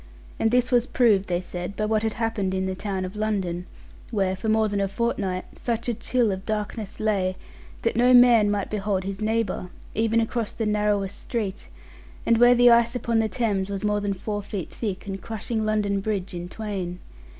And this was proved, they said, by what had happened in the town of London; where, for more than a fortnight, such a chill of darkness lay that no man might behold his neighbour, even across the narrowest street; and where the ice upon the Thames was more than four feet thick, and crushing London Bridge in twain.